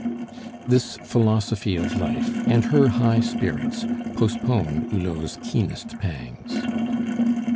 This philosophy of life, and her high spirits, postponed Hulot's keenest pangs.